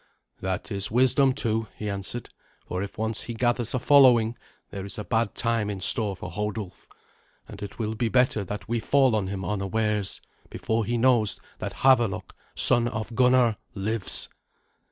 "That is wisdom, too," he answered; "for if once he gathers a following, there is a bad time in store for Hodulf. And it will be better that we fall on him unawares, before he knows that Havelok, son of Gunnar, lives."